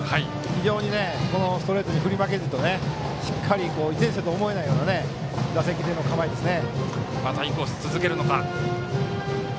非常にストレートに振り負けじとしっかり、１年生とは思えない打席での構えですね。